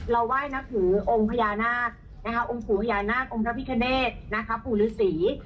ไหว้นับถือองค์พญานาคองค์ปู่พญานาคองค์พระพิคเนธปู่ฤษี